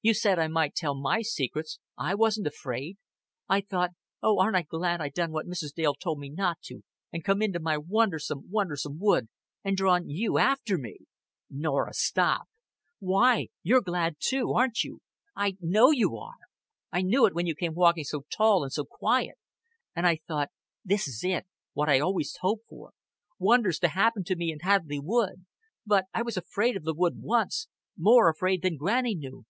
You said I might tell my secrets. I wasn't afraid. I thought 'Oh, aren't I glad I done what Mrs. Dale told me not to and come into my wondersome, wondersome wood, and drawn you after me!'" "Norah, stop." "Why? You're glad too, aren't you? I know you are. I knew it when you came walking so tall and so quiet; an' I thought 'This is it what I always hoped for wonders to happen to me in Hadleigh Wood.' But I was afraid of the wood once more afraid than Granny knew.